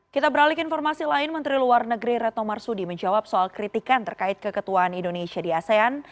kita beralih ke informasi lain menteri luar negeri retno marsudi menjawab soal kritikan terkait keketuaan indonesia di asean